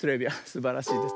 すばらしいです。